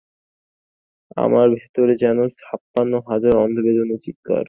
আমার ভেতরে যেন ছাপ্পান্ন হাজার অন্ধ বেলুনের চিৎকার।